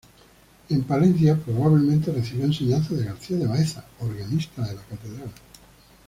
En Palencia probablemente recibió enseñanzas de García de Baeza, organista de la catedral.